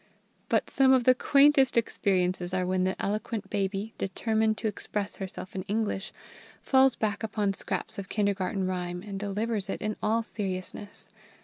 _" But some of the quaintest experiences are when the eloquent baby, determined to express herself in English, falls back upon scraps of kindergarten rhyme and delivers it in all seriousness.